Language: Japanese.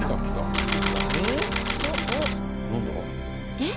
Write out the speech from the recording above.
えっ？